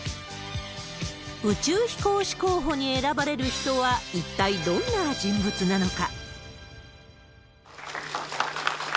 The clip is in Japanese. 宇宙飛行士候補に選ばれる人は一体どんな人物なのか。